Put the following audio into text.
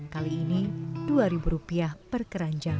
kali ini dua ribu rupiah per keranjang